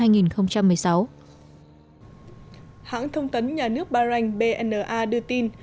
hãng thông tấn nhà nước bahrain bna đưa tin